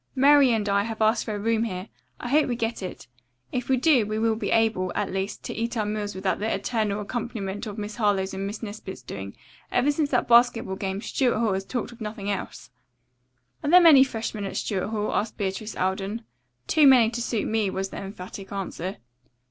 "Mary and I have asked for a room here. I hope we get it. If we do we will be able, at least, to eat our meals without the eternal accompaniment of Miss Harlowe's and Miss Nesbit's doings. Ever since that basketball game, Stuart Hall has talked of nothing else." "Are there many freshmen at Stuart Hall?" asked Beatrice Alden. "Too many to suit me," was the emphatic answer.